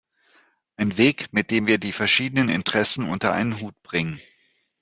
Ein Weg, mit dem wir die verschiedenen Interessen unter einen Hut bringen.